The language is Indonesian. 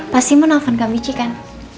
pasti mau nelfon kak michi kan